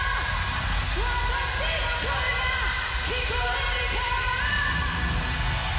「私の声が聞こえるか？」